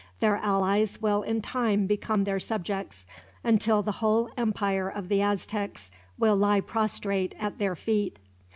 Their allies will in time become their subjects, until the whole empire of the Aztecs will lie prostrate at their feet.